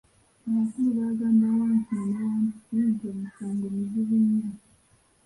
Abakulu baagamba Wankima ne Wampisi nti, Omusango muzibu nnyo.